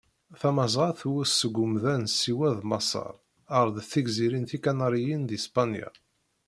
Tamazɣa tewwet seg umda n Siwa d Maseṛ ar d tigzirin tikaniriyin di Spanya.